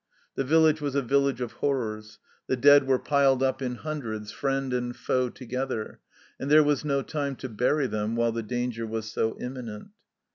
The village was a village of horrors ; the dead were piled up in hundreds, friend and foe together, and there was no time to bury them while the danger was so imminent.